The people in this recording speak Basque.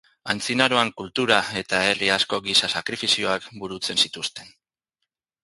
Antzinaroan kultura eta herri askok giza sakrifizioak burutzen zituzten.